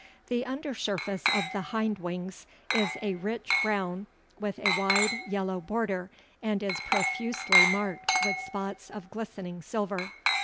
The under surface of the hind wings is a rich brown with a wide yellow border, and is profusely marked with spots of glistening silver.